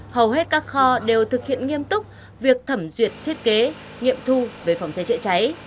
hầu hết các kho đều thực hiện nghiêm túc việc thẩm duyệt thiết kế nghiệm thu về phòng cháy chữa cháy